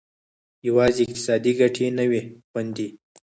یوازې اقتصادي ګټې نه وې خوندي.